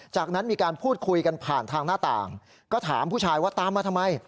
จากนั้นมีการพูดคุยกันผ่านทางหน้าต่างก็ถามผู้ชายว่าตามมาทำไม